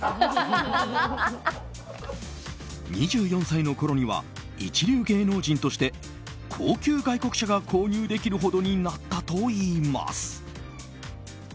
２４歳のころには一流芸能人として高級外国車が購入できるほどになったといいます。